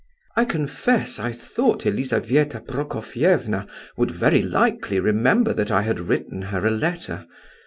"I confess, I thought Elizabetha Prokofievna would very likely remember that I had written her a letter.